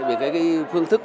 về cái phương thức